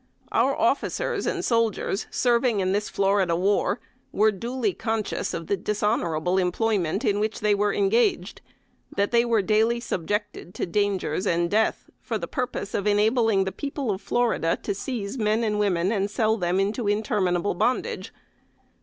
Our officers and soldiers, serving in this Florida War, were duly conscious of the dishonorable employment in which they were engaged; that they were daily subjected to dangers and death for the purpose of enabling the people of Florida to seize men and women, and sell them into interminable bondage.